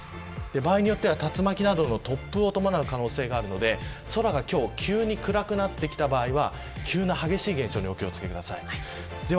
場合によっては竜巻などの突風を伴う可能性があるので空が今日、急に暗くなってきた場合は急な激しい現象にお気を付けください。